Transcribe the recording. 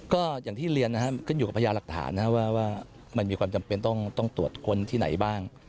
ก็อย่างที่เรียนนะครับขึ้นอยู่กับพญาหลักฐานนะครับว่ามันมีความจำเป็นต้องตรวจคนที่ไหนบ้าง